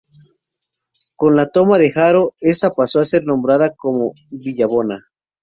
Con la toma de Haro esta pasó a ser nombrada como "Villabona".